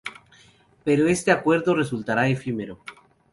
Pero este acuerdo resultará efímero.